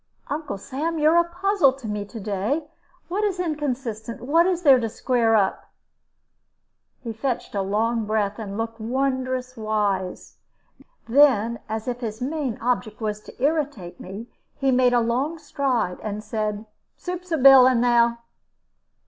"Uncle Sam, you're a puzzle to me to day. What is inconsistent? What is there to square up?" He fetched a long breath, and looked wondrous wise. Then, as if his main object was to irritate me, he made a long stride, and said, "Soup's a bilin now."